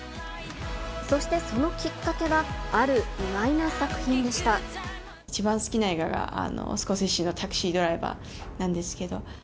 そしてそのきっかけは、一番好きな映画が、スコセッシのタクシードライバーなんですけど。